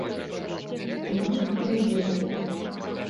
І мы ў гэта верылі.